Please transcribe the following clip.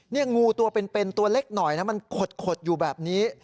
นี่งูตัวเป็นตัวเล็กหน่อยนะมันขดอยู่แบบนี้